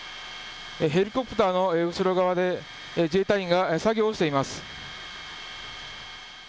ヘリコプターの後ろ側で自衛隊員が作業をしています。